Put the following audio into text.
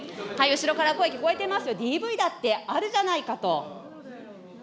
後ろから声聞こえてますよ、ＤＶだってあるじゃないかと。